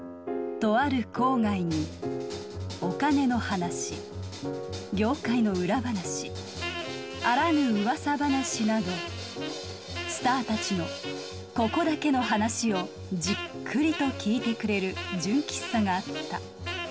とある郊外にお金の話業界の裏話あらぬ噂話などスターたちのここだけの話をじっくりと聞いてくれる純喫茶があった。